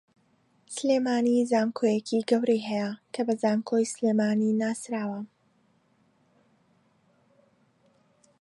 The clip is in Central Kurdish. سلێمانی زانکۆیەکی گەورەی ھەیە کە بە زانکۆی سلێمانی ناسراوە